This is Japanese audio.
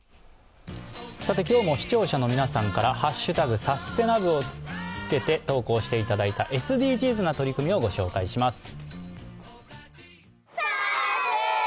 今日も視聴者の皆さんから「＃サステナ部」をつけて投稿していたいただいたＳＤＧｓな取り組みをご紹介します。